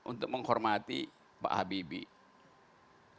untuk menghormati pak habibie